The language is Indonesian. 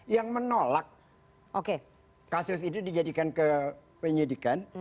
yang menolak kasus itu dijadikan ke penyidikan